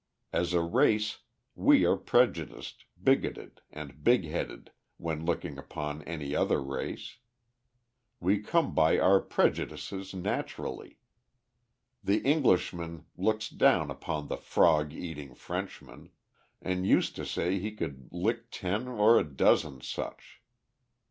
As a race, we are prejudiced, bigoted, and "big headed" when looking upon any other race. We come by our prejudices naturally. The Englishman looks down upon the "frog eating Frenchman," and used to say he could lick ten or a dozen such.